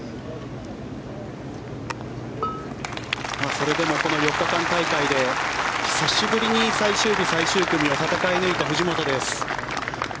それでもこの４日間大会で久しぶりに最終日、最終組を戦い抜いた藤本です。